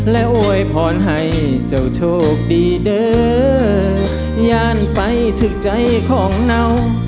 และโวยพรให้เจ้าโชคดีเด้อย่านไปถึงใจของเรา